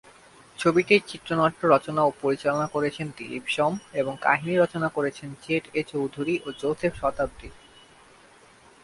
ছবিটির চিত্রনাট্য রচনা ও পরিচালনা করেছেন দিলীপ সোম এবং কাহিনী রচনা করেছেন জেড এ চৌধুরী ও যোসেফ শতাব্দী।